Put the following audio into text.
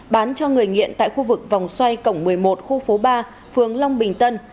bán cho người nghiện tại khu vực vòng xoay cổng một mươi một khu phố ba phường long bình tân